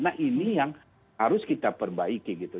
nah ini yang harus kita perbaiki gitu